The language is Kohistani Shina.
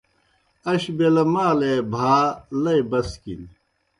اش بیلہ مالے بھا لئی بسکِلِن۔